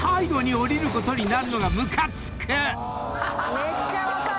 めっちゃ分かる！